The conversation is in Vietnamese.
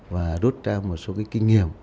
và rút ra một số kinh nghiệm